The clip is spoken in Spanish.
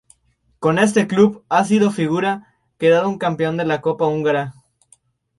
Con este club ha sido figura, quedando campeón de la Copa Húngara.